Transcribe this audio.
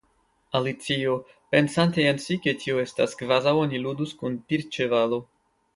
Alicio, pensante en si ke tio estas kvazaŭ oni ludus kun tirĉevalo.